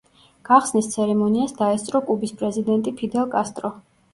გახსნის ცერემონიას დაესწრო კუბის პრეზიდენტი ფიდელ კასტრო.